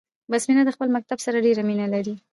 بسمينه د خپل مکتب سره ډيره مينه لري 🏫